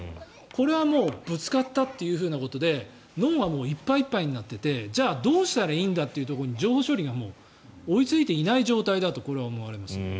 これはもうぶつかったということで脳がいっぱいいっぱいになっていてじゃあどうしたらいいんだというところに情報処理が追いついていない状態だと思われます。